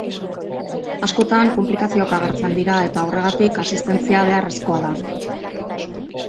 Askotan, konplikazioak agertzen dira eta horregatik asistentzia beharrezkoa da.